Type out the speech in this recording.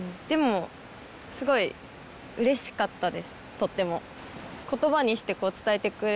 とっても。